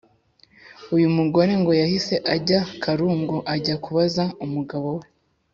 Uyu mugore ngo yahise ajya karungu ajya kubaza umugabo we